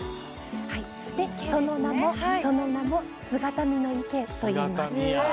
その名も姿見の池といいます。